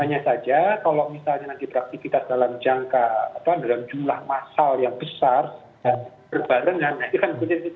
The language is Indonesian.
hanya saja kalau misalnya nanti beraktivitas dalam jumlah massal yang besar berbarengan